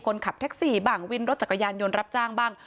คนขับแท็กซี่บ้างวินรถจักรยานยนต์รับจ้างบ้าง